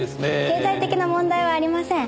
経済的な問題はありません。